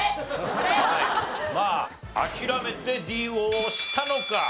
諦めてＤを押したのか？